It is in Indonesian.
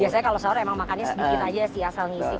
biasanya kalau sahur emang makannya sedikit aja sih asal ngisi